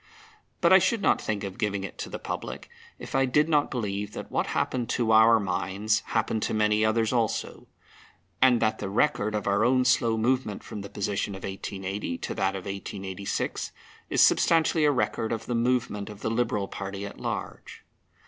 But I should not think of giving it to the public if I did not believe that what happened to our minds happened to many others also, and that the record of our own slow movement from the position of 1880 to that of 1886 is substantially a record of the movement of the Liberal party at large.